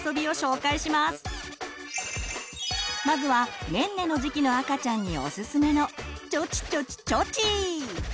まずはねんねの時期の赤ちゃんにおすすめの「ちょちちょちちょち